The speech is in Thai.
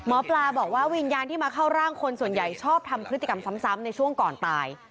หมอปลาบอกว่าวิญญาณที่มาเข้าร่างคนส่วนใหญ่ชอบทำพฤติกรรมซ้ำในช่วงก่อนตาย